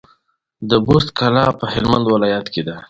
د بُست کلا په هلمند ولايت کي ده